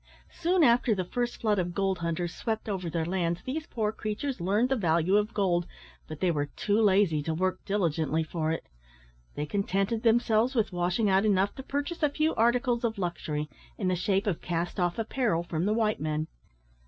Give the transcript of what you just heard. Soon after the first flood of gold hunters swept over their lands these poor creatures learned the value of gold, but they were too lazy to work diligently for it. They contented themselves with washing out enough to purchase a few articles of luxury, in the shape of cast off apparel, from the white men.